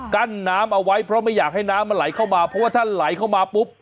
กั้นน้ำเอาไว้เพราะไม่อยากให้น้ำมันไหลเข้ามาเพราะว่าถ้าไหลเข้ามาปุ๊บ